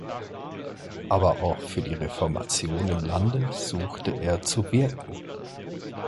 Aber auch für die Reformation im Lande suchte er zu wirken.